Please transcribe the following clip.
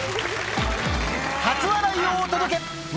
初笑いをお届け、笑